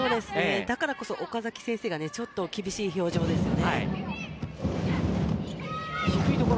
だからこそ岡崎先生がちょっと厳しい表情ですよね。